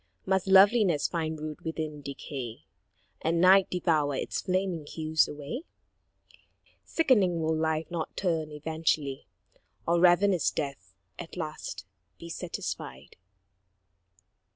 Must loveliness find root within decay, And night devour its flaming hues alway? Sickening, will Life not turn eventually, Or ravenous Death at last be satisfied?